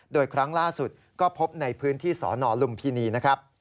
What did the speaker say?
โดยครั้งล่าสุดก็พบในพื้นที่สนลุมพินีนะครับ